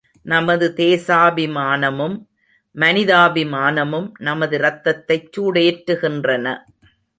நமது தேசாபிமானமும், மனிதாபிமானமும் நமது ரத்தத்தைச் சூடேற்றுகின்றன.